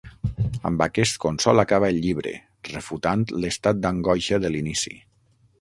Amb aquest consol acaba el llibre, refutant l'estat d'angoixa de l'inici.